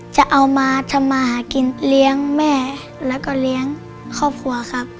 จะเอามาทำมาหากินเลี้ยงแม่แล้วก็เลี้ยงครอบครัวครับ